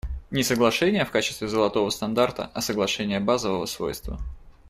Не соглашения в качестве золотого стандарта, а соглашения базового свойства.